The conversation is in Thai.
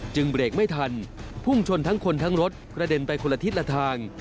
เบรกไม่ทันพุ่งชนทั้งคนทั้งรถกระเด็นไปคนละทิศละทาง